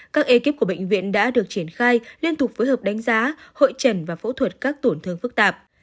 các ekip của bệnh viện đã được triển khai liên tục phối hợp đánh giá hội trần và phẫu thuật các tổn thương phức tạp